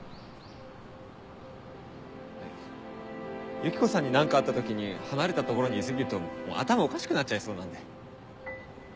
ユキコさんに何かあった時に離れた所にい過ぎると頭おかしくなっちゃいそうなんで。